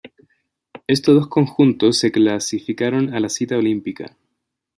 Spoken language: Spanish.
Estos dos conjuntos se clasificaron a la cita olímpica.